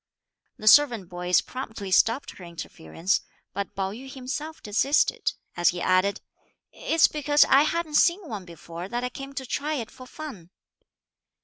The servant boys promptly stopped her interference; but Pao yü himself desisted, as he added: "It's because I hadn't seen one before that I came to try it for fun."